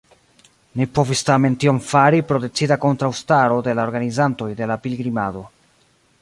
Ne povis tamen tion fari pro decida kontraŭstaro de la organizantoj de la pilgrimado.